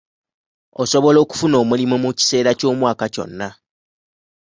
Osobola okufuna omulimu mu kiseera ky'omwaka kyonna